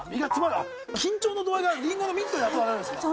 緊張の度合いはりんごの密度でやっておられるんですか？